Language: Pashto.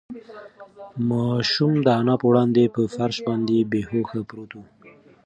ماشوم د انا په وړاندې په فرش باندې بې هوښه پروت و.